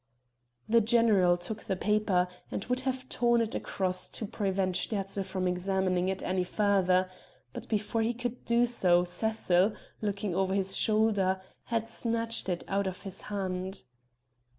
The general took the paper, and would have torn it across to prevent Sterzl from examining it any further; but before he could do so Cecil, looking over his shoulder, had snatched it out of his hand.